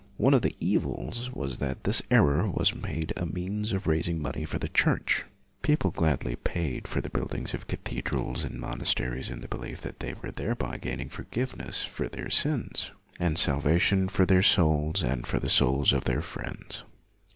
One of the evils was that this error was made a means of raising money for the Church. People gladly paid for the building of cathedrals and monasteries in the belief that they were 6 LUTHER thereby gaining forgiveness for their sins, and salvation for their souls and for the souls of their friends.